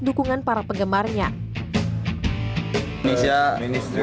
dukungan para penggemarnya indonesia dukung saya terus jangan pernah takut bermimpi dukung saya apapun terjadi